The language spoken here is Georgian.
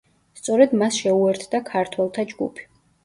სწორედ მას შეუერთდა ქართველთა ჯგუფი.